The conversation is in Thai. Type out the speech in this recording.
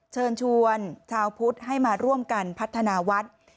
เชิญชวนชาวพุทธให้มาร่วมกันพัฒนาวัด